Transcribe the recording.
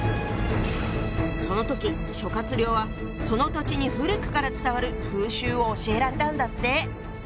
その時諸亮はその土地に古くから伝わる風習を教えられたんだって。